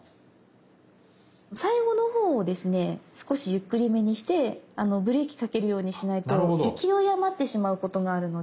最後の方をですね少しゆっくりめにしてブレーキかけるようにしないと勢いあまってしまうことがあるので。